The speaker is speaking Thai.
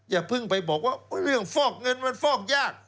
อย่าเพิ่งไปบอกว่าเรื่องฟอกเงินมันฟอกยาก